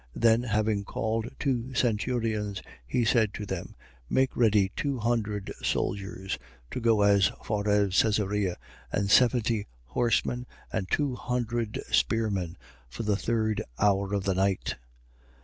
23:23. Then having called two centurions, he said to them: Make ready two hundred soldiers to go as far as Caesarea: and seventy horsemen and two hundred spearmen, for the third hour of the night.